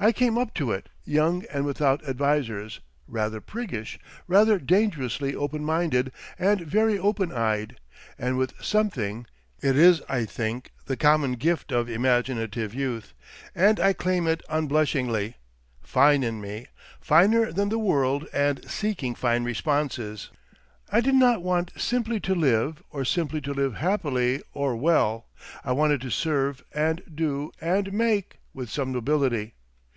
I came up to it, young and without advisers, rather priggish, rather dangerously open minded and very open eyed, and with something—it is, I think, the common gift of imaginative youth, and I claim it unblushingly—fine in me, finer than the world and seeking fine responses. I did not want simply to live or simply to live happily or well; I wanted to serve and do and make—with some nobility.